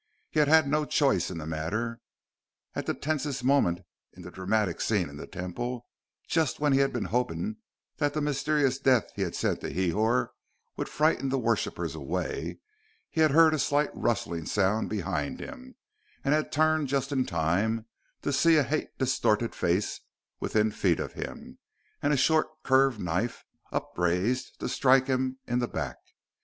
He had had no choice in the matter. At the tensest moment in the dramatic scene in the Temple, just when he had been hoping that the mysterious death he had sent to Hrihor would frighten the worshippers away, he had heard a slight rustling sound behind him, and had turned just in time to see a hate distorted face within feet of him, and a short curved knife upraised to strike him in the back.